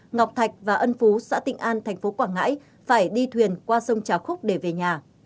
ngọc thạch và ân phú xã tịnh an thành phố quảng ngãi phải đi thuyền qua sông trà khúc để về nhà